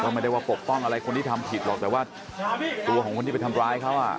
ไม่ได้ว่าปกป้องอะไรคนที่ทำผิดหรอกแต่ว่าตัวของคนที่ไปทำร้ายเขาอ่ะ